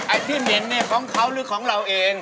ไอ้ที่เหม็นเนี่ยของเขาหรือของเราเอง